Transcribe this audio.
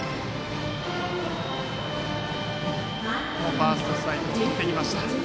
ファーストストライクを振ってきました。